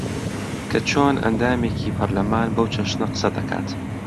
کە چۆن ئەندامێکی پەرلەمان بەو چەشنە قسە دەکات